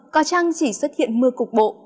có chăng chỉ xuất hiện mưa cục bộ